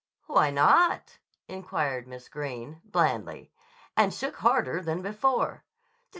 "Why not?" inquired Miss Greene blandly, and shook harder than before.